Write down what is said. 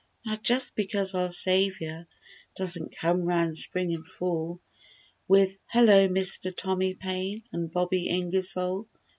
Now just because our Saviour Doesn't come 'round spring an' fall With—"Hello, Mister Tommy Paine And Bobby Ingersoll!"